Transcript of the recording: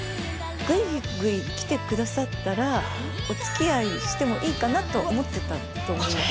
ぐいぐい来てくださったら、おつきあいしてもいいかなと思ってたと思います。